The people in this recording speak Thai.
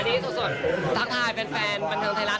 นี่ส่วนสดทางเป็นแฟนบรรษัทไทยรัด